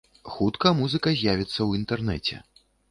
Хутка музыка з'явіцца ў інтэрнэце.